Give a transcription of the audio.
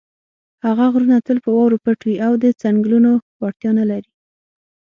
هغه غرونه تل په واورو پټ وي او د څنګلونو وړتیا نه لري.